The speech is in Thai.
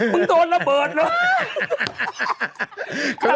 โดนระเบิดเลย